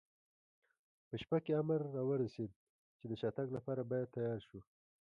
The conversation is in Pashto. په شپه کې امر را ورسېد، چې د شاتګ لپاره باید تیار شو.